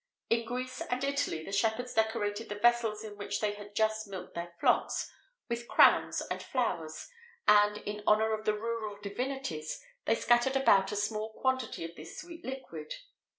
In Greece and Italy, the shepherds decorated the vessels in which they had just milked their flocks with crowns of flowers; and, in honour of the rural divinities, they scattered about a small quantity of this sweet liquid.